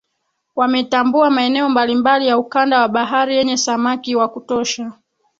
Wametambua maeneo mbalimbali ya ukanda wa bahari yenye samaki wa kutosha